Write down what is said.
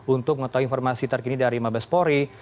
untuk mengetahui informasi terkini dari mabespori